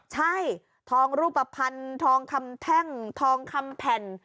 ใช่ทองรูปภัณฑ์ทองคำแท่งทองคำแผ่น